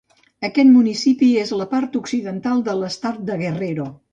Aquest municipi és a la part occidental de l'estat de Guerrero.